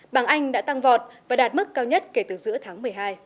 bảng anh đã tăng vọt và đạt mức cao nhất kể từ giữa tháng một mươi hai